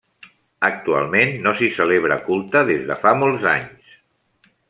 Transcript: Actualment no s'hi celebra culte des de fa molts anys.